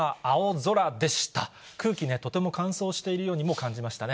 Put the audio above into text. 空気ね、とても乾燥しているようにも感じましたね。